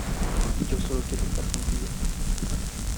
yo solo quiero estar contigo.